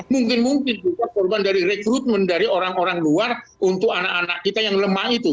mungkin mungkin juga korban dari rekrutmen dari orang orang luar untuk anak anak kita yang lemah itu